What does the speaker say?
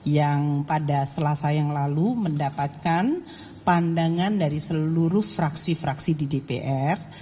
yang pada selasa yang lalu mendapatkan pandangan dari seluruh fraksi fraksi di dpr